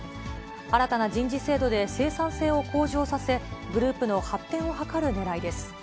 新たな人事制度で生産性を向上させ、グループの発展を図るねらいです。